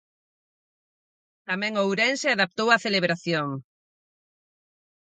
Tamén Ourense adaptou a celebración.